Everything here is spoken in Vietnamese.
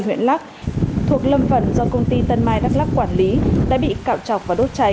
huyện lắc thuộc lâm phần do công ty tân mai đắk lắc quản lý đã bị cạo chọc và đốt cháy